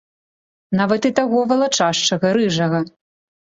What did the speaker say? Нават і таго валачашчага, рыжага.